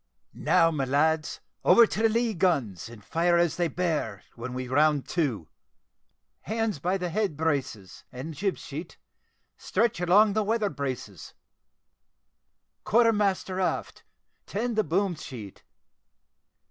"Now, my lads, over to the lee guns, and fire as they bear, when we round to. Hands by the lee head braces, and jib sheet, stretch along the weather braces. Quarter master abaft, tend the boom sheet.